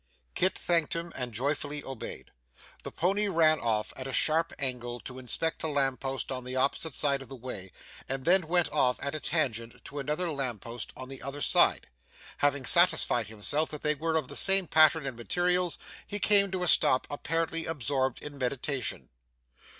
Kit thanked him, and joyfully obeyed. The pony ran off at a sharp angle to inspect a lamp post on the opposite side of the way, and then went off at a tangent to another lamp post on the other side. Having satisfied himself that they were of the same pattern and materials, he came to a stop apparently absorbed in meditation.